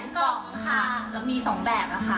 ตอนนี้มีทั้งหมด๑แสนกล่องค่ะ